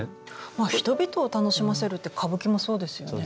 まあ人々を楽しませるって歌舞伎もそうですよね。